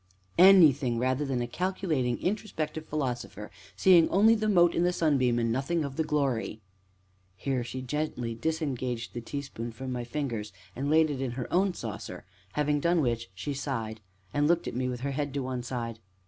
"Anything rather than a calculating, introspective philosopher, seeing only the mote in the sunbeam, and nothing of the glory." Here she gently disengaged the teaspoon from my fingers and laid it in her own saucer, having done which she sighed, and looked at me with her head to one side.